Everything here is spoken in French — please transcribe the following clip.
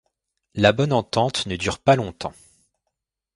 La bonne entente ne dure pas longtemps.